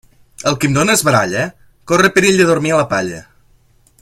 El qui amb dona es baralla, corre perill de dormir a la palla.